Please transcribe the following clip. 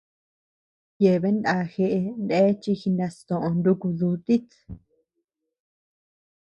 Yeabean ndá jeʼe ndéa chi jinastoʼö nuku dutit.